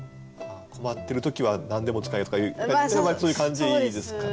困ってる時は何でも使えとかそういう感じですかね。